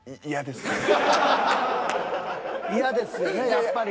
嫌ですよねやっぱり。